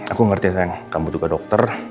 aku ngerti tentang kamu juga dokter